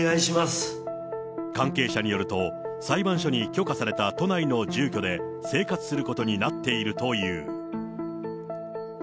関係者によると、裁判所に許可された都内の住居で生活することになっているという。